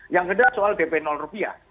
yang hendak soal dp rupiah